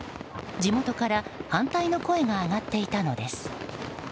地元から反対の声が上がっていたのです。